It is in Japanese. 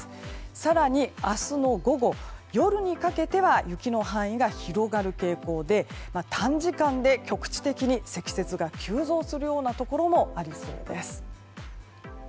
更に、明日の午後夜にかけては雪の範囲が広がる傾向で短時間で局地的に積雪が急増するようなところもありそうです。